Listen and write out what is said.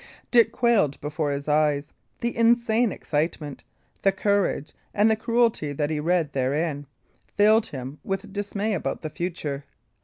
Dick quailed before his eyes. The insane excitement, the courage, and the cruelty that he read therein filled him with dismay about the future.